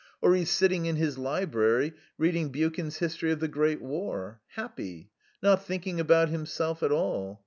Or he's sitting in his library, reading Buchan's 'History of the Great War.' Happy. Not thinking about himself at all.